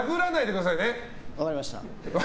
分かりました。